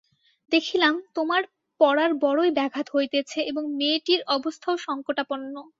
দেখিলাম, তোমার পড়ার বড়োই ব্যাঘাত হইতেছে এবং মেয়েটির অবস্থাও সংকটাপন্ন।